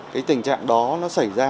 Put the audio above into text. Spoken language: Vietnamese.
cái tình trạng đó nó xảy ra